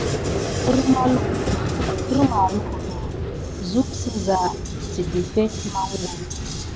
Hərma lukutu suke ziza siɗefet monko.